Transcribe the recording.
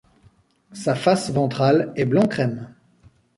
Sa face ventrale est blanc-crème.